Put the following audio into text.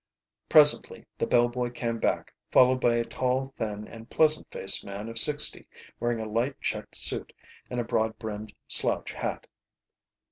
Presently the bell boy came back, followed by a tall, thin, and pleasant faced man of sixty, wearing a light checked suit and a broad brimmed slouch hat.